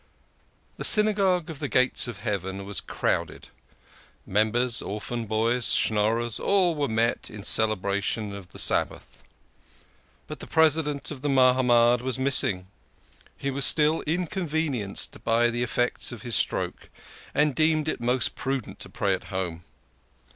THE Synagogue of the Gates of Heaven was crowded members, orphan boys, Schnorrers, all were met in celebration of the Sabbath. But the President of the Mahamad was missing. He was still inconvenienced by the effects of his stroke, and deemed it most prudent to pray at home.